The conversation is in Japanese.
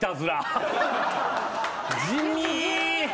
地味！